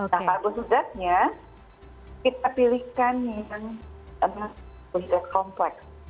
nah karbohidratnya kita pilihkan yang kompleks